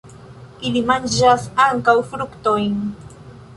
Ili manĝas ankaŭ fruktojn.